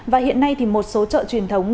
và hiện nay thì một số chợ truyền thống